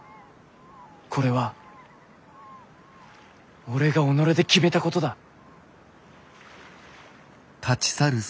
これは俺が己で決めたことだ。